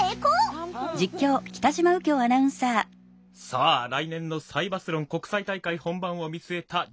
さあ来年のサイバスロン国際大会本番を見据えた重要な実践テストです。